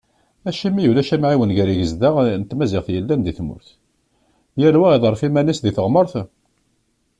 Acimi ulac amɛiwen gar yigezda n tmaziɣt yellan di tmurt, yal wa iḍerref iman-is di teɣmart?